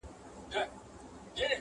يوه زاړه، يوه تک تور، يوه غریب ربابي!